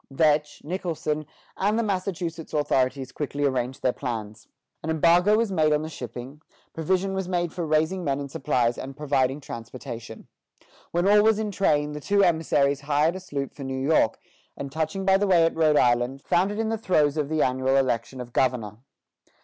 " Vetch, Nicholson, and the Massachusetts authorities quickly arranged their plans. An embargo was laid on the shipping; provision was made for raising men and supplies and providing transportation. When all was in train, the two emissaries hired a sloop for New York, and touching by the way at Rhode Island, found it in the throes of the annual election of governor.